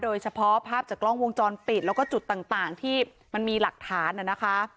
โดยเฉพาะภาพจากกล้องวงจรปิดแล้วก็จุดต่างที่มันมีหลักฐานนะคะ